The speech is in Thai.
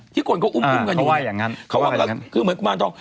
ที่คนก็อุ้มกันอยู่นี่คือเหมือนกุมารทองอ่าเขาว่าอย่างนั้น